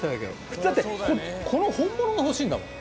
普通、だって、この本物が欲しいんだもん。